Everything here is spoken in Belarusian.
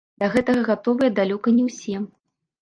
Да гэтага гатовыя далёка не ўсе.